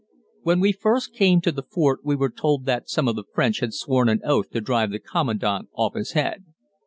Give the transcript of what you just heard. When we first came to the fort we were told that some of the French had sworn an oath to drive the Commandant off his head.